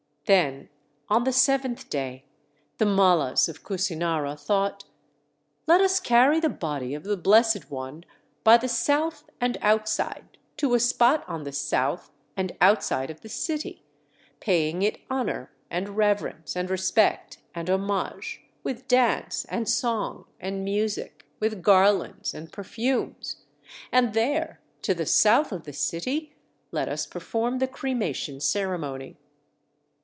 Then on the seventh day the Mallas of Kusinara thought: "Let us carry the body of the Blessed One, by the south and outside, to a spot on the south, and outside of the city, paying it honor, and reverence, and respect, and homage, with dance and song and music, with garlands and perfumes, and there, to the south of the city, let us perform the cremation ceremony!"